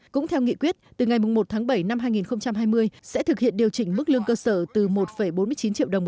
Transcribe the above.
cũng theo nghị quyết từ ngày một tháng bảy năm hai nghìn hai mươi sẽ thực hiện điều chỉnh mức lương cơ sở